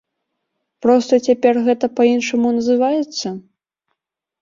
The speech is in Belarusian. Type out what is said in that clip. Проста цяпер гэта па-іншаму называецца?